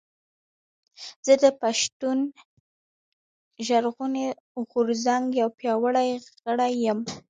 زه د پشتون ژغورنې غورځنګ يو پياوړي غړی یم